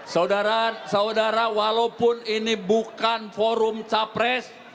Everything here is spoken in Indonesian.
saudara saudara walaupun ini bukan forum capres